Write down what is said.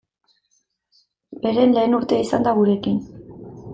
Beren lehen urtea izan da gurekin.